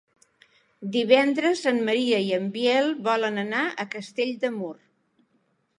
Divendres en Maria i en Biel volen anar a Castell de Mur.